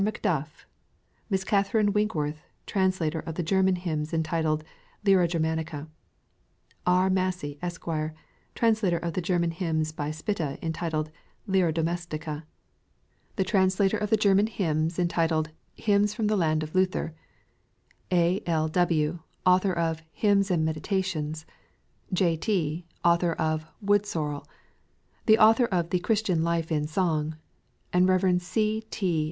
Macduff ;— Miss Catherine Winkworth, translator of the German hymns entitled " Lyra Germanica ;"— R. Massie, Esq., translator of the German h^mna by Spit^ entitled " Lyra Doixiea\ic%i\^''— >2si^'^'^^=^^* 1+ 6 PREFACE, lator of the German hymns entitled " Hymns from the Land of Luther;" — A. L. W., author of "Hymns and Meditations;" — J. T., author of Woodsorrel ;"— the author of "The Christian Life in Song ;"— and Rev. C. T.